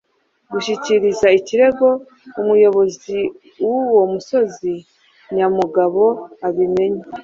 gushyikiriza ikirego umuyobozi w’uwo musozi. Nyamugabo abimenye